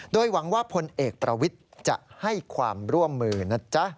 โดยหวังว่าพลเอกประวิทย์จะให้ความร่วมมือนะจ๊ะ